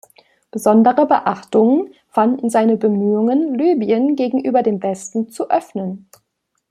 Besondere Beachtung fanden seine Bemühungen, Libyen gegenüber dem Westen zu öffnen.